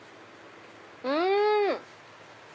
うん！